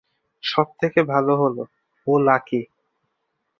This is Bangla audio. সব থেকে ভাল হল, ও লাকি।